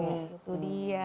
terima kasih dokter diana